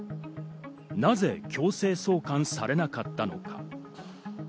なぜ強制送還されなかったのか？